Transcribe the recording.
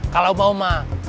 kalau mau ma